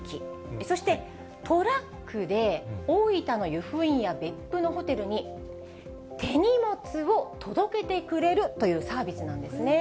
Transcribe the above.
そしてトラックで、大分の由布院や別府のホテルに手荷物を届けてくれるというサービスなんですね。